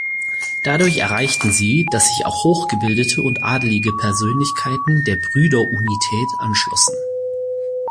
Dadurch erreichten sie, dass sich auch hochgebildete und adelige Persönlichkeiten der Brüderunität anschlossen.